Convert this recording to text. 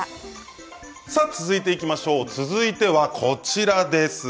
続いて、こちらです。